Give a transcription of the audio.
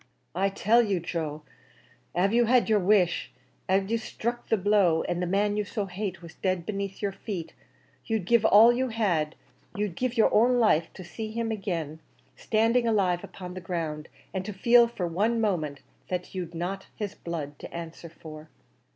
"I tell you, Joe, av you had your wish av you struck the blow, and the man you so hate was dead beneath your feet, you'd give all you had you'd give your own life to see him agin, standing alive upon the ground, and to feel for one moment that you'd not his blood to answer for."